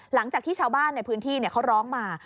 หลังจากที่ชาวบ้านในพื้นที่เขาร้องมา